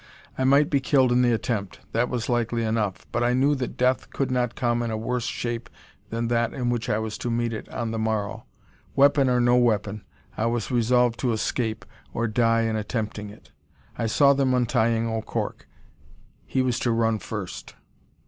I might be killed in the attempt; that was likely enough; but I knew that death could not come in a worse shape than that in which I was to meet it on the morrow. Weapon or no weapon, I was resolved to escape, or die in attempting it. I saw them untying O'Cork. He was to run first.